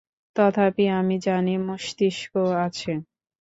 তথাপি আমি জানি, মস্তিষ্ক আছে।